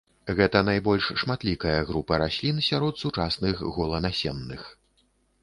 Гэта найбольш шматлікая група раслін сярод сучасных голанасенных.